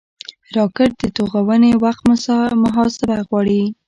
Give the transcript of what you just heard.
راکټ د توغونې وخت محاسبه غواړي